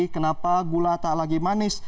kenapa gula tak lagi manis